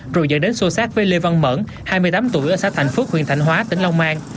rồi dẫn đến sô sát với lê văn mẫn hai mươi tám tuổi ở xã thành phước huyện thành hóa tỉnh long an